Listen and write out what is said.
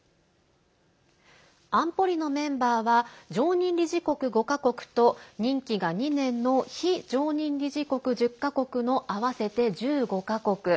安保理のメンバーは常任理事国５か国と任期が２年の非常任理事国１０か国の合わせて１５か国。